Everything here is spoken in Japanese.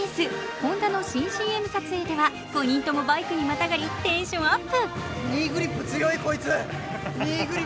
Ｈｏｎｄａの新ＣＭ撮影では５人ともバイクにまたがり、テンションアップ。